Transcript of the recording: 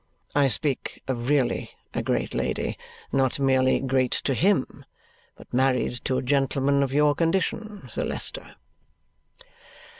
I speak of really a great lady, not merely great to him, but married to a gentleman of your condition, Sir Leicester."